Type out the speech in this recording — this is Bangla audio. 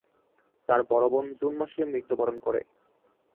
তার বড় বোন জুন মাসে মৃত্যুবরণ করে।